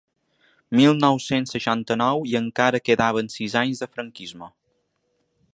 Mil nou-cents seixanta-nou i encara quedaven sis anys de franquisme.